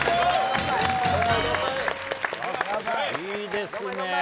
いいですね。